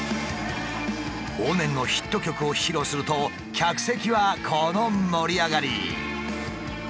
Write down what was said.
往年のヒット曲を披露すると客席はこの盛り上がり！